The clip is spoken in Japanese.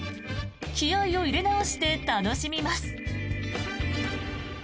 気合を入れ直して楽しみます。